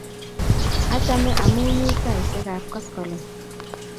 Achame amunyi saisyek ap koskoling'